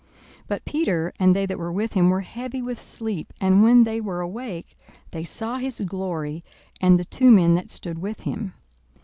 42:009:032 But Peter and they that were with him were heavy with sleep: and when they were awake, they saw his glory, and the two men that stood with him.